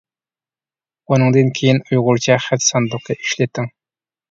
بۇنىڭدىن كىيىن ئۇيغۇرچە خەت ساندۇقى ئىشلىتىڭ!